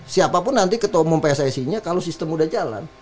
siapapun nanti ketemu pssi nya kalau sistem udah jalan